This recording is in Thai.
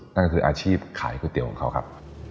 นั่นก็คืออาชีพขายก๋วยเตี๋ยวของเขาครับ